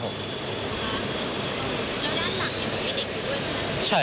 ค่ะแล้วด้านหลังยังมีเด็กด้วยใช่ไหม